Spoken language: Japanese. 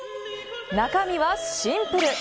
中身はシンプル。